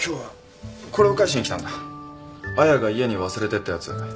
彩が家に忘れてったやつ。